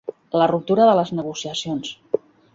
La ruptura de les negociacions.